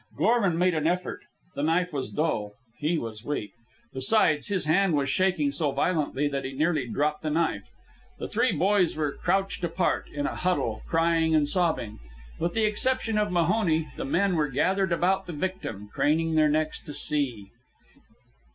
Gorman made an effort. The knife was dull. He was weak. Besides, his hand was shaking so violently that he nearly dropped the knife. The three boys were crouched apart, in a huddle, crying and sobbing. With the exception of Mahoney, the men were gathered about the victim, craning their necks to see.